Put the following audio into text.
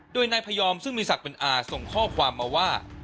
โดยนายพยอมซึ่งมีศักดิ์เป็นอาส่งข้อความมาว่า